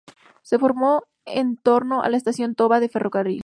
Se formó en torno a la estación Toba del Ferrocarril.